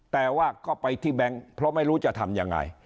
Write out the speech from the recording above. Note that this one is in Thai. แต่ว่าก็ไปที่แบงค์เพราะไม่รู้จะทำยังไง